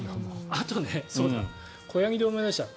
あとね子ヤギで思い出した。